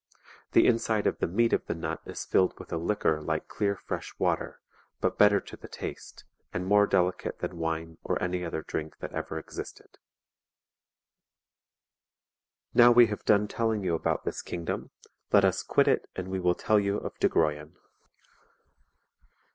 The inside of the meat of the nut is filled with a liquor like clear fresh water, but better to the taste, and more delicate than wine or any other drink that ever existed]. Now we have done telling you about this kingdom, let us quit it and we will tell you of Dagroian.